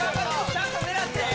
ちゃんと狙って。